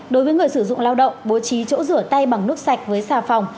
đối với người sử dụng lao động bố trí chỗ rửa tay bằng nước sạch với xà phòng